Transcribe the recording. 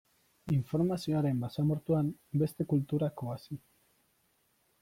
Informazioaren basamortuan, beste kulturak oasi.